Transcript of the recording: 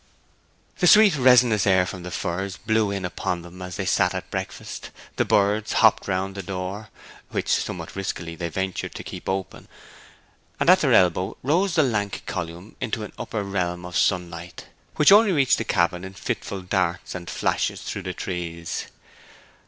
The sweet resinous air from the firs blew in upon them as they sat at breakfast; the birds hopped round the door (which, somewhat riskily, they ventured to keep open); and at their elbow rose the lank column into an upper realm of sunlight, which only reached the cabin in fitful darts and flashes through the trees.